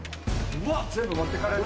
全部持ってかれんぞ。